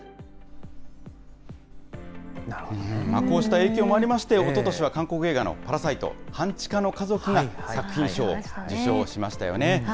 こうした影響もありまして、おととしは韓国映画のパラサイト半地下の家族が作品賞を受賞しましたよね。